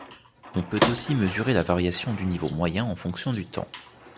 On peut aussi mesurer la variation du niveau moyen en fonction du temps.